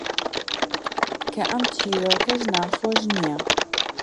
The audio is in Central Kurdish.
کە ئەم چیرۆکەش ناخۆش نییە: